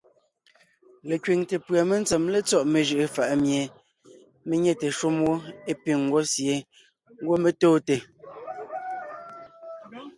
Lekẅiŋte pʉ̀a mentsém létsɔ́ mejʉ’ʉ fà’ mie mé nyɛte shúm wó é piŋ ńgwɔ́ sie ńgwɔ́ mé tóonte.